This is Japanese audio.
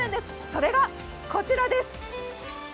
それがこちらです。